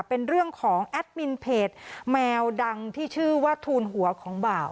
เป็นเรื่องของแอดมินเพจแมวดังที่ชื่อว่าทูลหัวของบ่าว